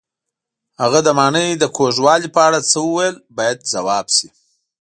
هغه د ماڼۍ د کوږوالي په اړه څه وویل باید ځواب شي.